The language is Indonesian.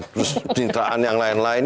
terus citraan yang lain lain